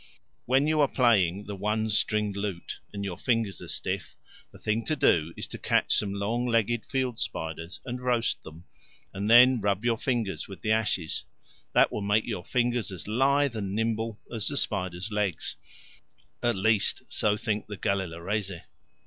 When you are playing the one stringed lute, and your fingers are stiff, the thing to do is to catch some long legged field spiders and roast them, and then rub your fingers with the ashes; that will make your fingers as lithe and nimble as the spiders' legs at least so think the Galelareese.